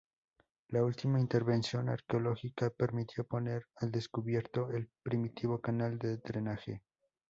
La última intervención arqueológica permitió poner al descubierto el primitivo canal de drenaje.